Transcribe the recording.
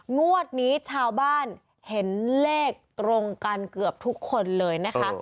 งวดนี้ชาวบ้านเห็นเลขตรงกันเกือบทุกคนเลยนะคะ